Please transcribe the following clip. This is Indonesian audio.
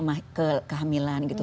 karena karma akibat perbuatan buruk